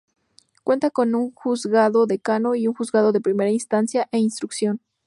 Cuenta con un Juzgado Decano y un Juzgado de Primera Instancia e Instrucción.